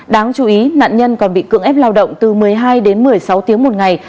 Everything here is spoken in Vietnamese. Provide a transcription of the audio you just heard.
đáng chú ý nạn nhân còn bị cưỡng ép lao động từ một mươi hai đến một mươi sáu tiếng một ngày